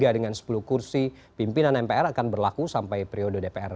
tiga dengan sepuluh kursi pimpinan mpr akan berlaku sampai periode dpr